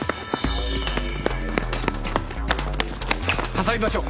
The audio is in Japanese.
挟みましょう！